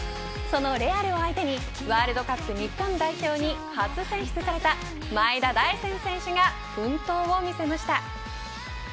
そのレアルを相手にワールドカップ日本代表に初選出された前田大然選手が奮闘を見せました。